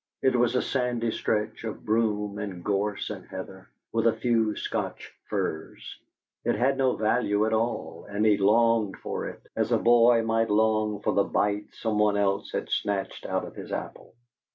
It was a sandy stretch of broom and gorse and heather, with a few Scotch firs; it had no value at all, and he longed for it, as a boy might long for the bite someone else had snatched out of his apple.